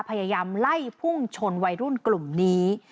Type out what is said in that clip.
พยายามไล่พุ่งชนวัยรุ่นกลุ่มนี้